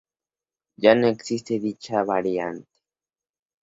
Ya no existe dicha variante.